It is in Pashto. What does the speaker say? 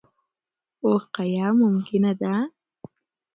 وقایه ممکنه ده.